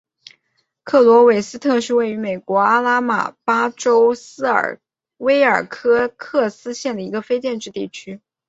罗克韦斯特是位于美国阿拉巴马州威尔科克斯县的一个非建制地区。